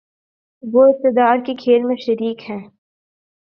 وہ اقتدار کے کھیل میں شریک ہیں۔